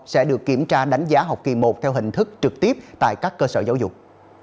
sẽ kiểm tra đánh giá học kỳ i theo hình thức trực tiếp tại các cơ sở giáo dục